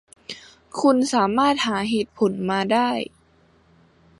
คุณสามารถหาเหตุผลมาได้